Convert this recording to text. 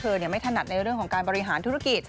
เธอไม่ถนัดในเรื่องของการบริหารธุรกิจ